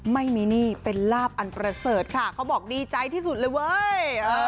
ไม่มีหนี้เป็นลาบอันประเสริฐค่ะเขาบอกดีใจที่สุดเลยเว้ย